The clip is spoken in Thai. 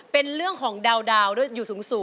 เป็นเรื่องของดาวด้วยอยู่สูง